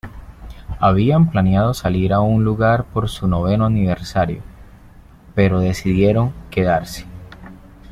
Habían planeado salir a un lugar por su noveno aniversario, pero decidieron quedarse.